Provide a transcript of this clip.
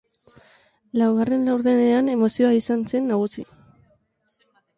Laugarren laurdenean emozioa izan zen nagusi.